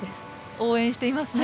応援していますね。